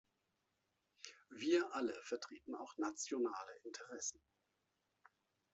Wir alle vertreten auch nationale Interessen.